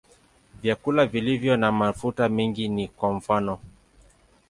Vyakula vilivyo na mafuta mengi ni kwa mfano.